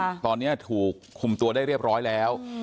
ตอนเนี้ยถูกคุมตัวได้เรียบร้อยแล้ว